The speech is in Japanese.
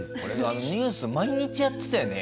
ニュース毎日やってたよね。